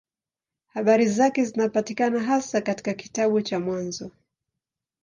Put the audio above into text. Habari zake zinapatikana hasa katika kitabu cha Mwanzo.